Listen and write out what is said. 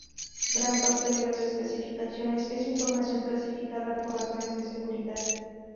Gran parte de las especificaciones es información clasificada por razones de seguridad.